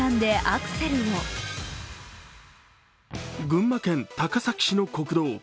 群馬県高崎市の国道。